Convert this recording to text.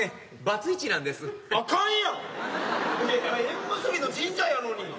縁結びの神社やのに。